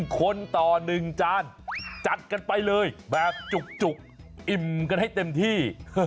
คนต่อ๑จานจัดกันไปเลยแบบจุกอิ่มกันให้เต็มที่